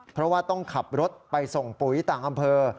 เพราะว่าต้องขับรถไปส่งปุ๋ยต่างอำเภอ